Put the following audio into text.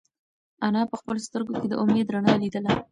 انا په خپلو سترگو کې د امید رڼا لیدله.